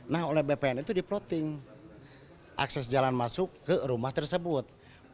nah oleh bpn itu diploating akses jalan masuk ke rumah tersebut